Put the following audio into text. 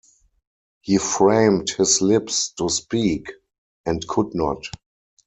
He framed his lips to speak and could not.